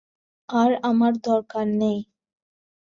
আর আমার দরকার নেই।